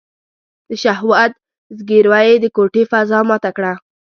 د شهوت ځګيروی يې د کوټې فضا ماته کړه.